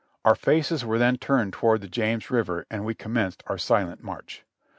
Our faces were then turned toward the James River and we commenced our silent march.